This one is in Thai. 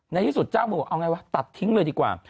ในที่สุดเจ้ามือบอกเอาไงวะตัดทิ้งเลยดีกว่า